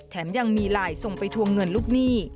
ยังมีไลน์ส่งไปทวงเงินลูกหนี้